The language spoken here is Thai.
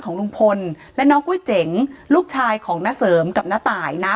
ของลุงพลและน้องก๋วยเจ๋งลูกชายของน้าเสริมกับน้าตายนะ